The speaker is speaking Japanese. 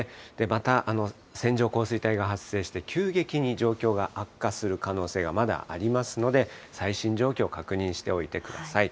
また線状降水帯が発生して、急激に状況が悪化する可能性がまだありますので、最新状況、確認しておいてください。